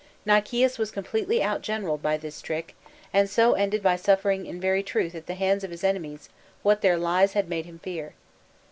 Nicias was completely outgeneralled by this trick, and so ended by suffering in very truth at the hands of his enemies what their lies had made him fear.